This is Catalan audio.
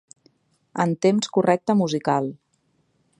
En temps correcte musical.